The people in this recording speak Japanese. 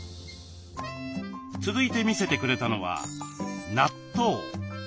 続いて見せてくれたのは納豆。